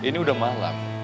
ini udah malam